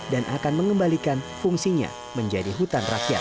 dan akan mengembalikan fungsinya menjadi hutan rakyat